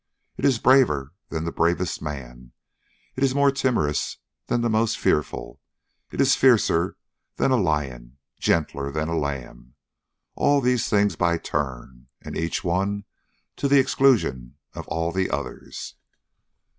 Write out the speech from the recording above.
It is braver than the bravest man; it is more timorous than the most fearful; it is fiercer than a lion, gentler than a lamb. All these things by turns, and each one to the exclusion of all the others.